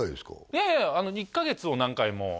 いやいや１カ月を何回もああ